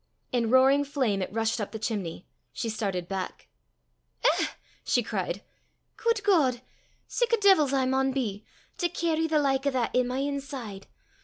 In roaring flame it rushed up the chimney. She started back. "Eh!" she cried; "guid God! sic a deevil 's I maun be, to cairry the like o' that i' my inside!